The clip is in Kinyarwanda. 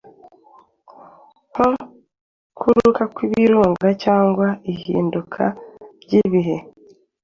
nko kuruka kw’ibirunga cyangwa ihinduka ry’ibihe,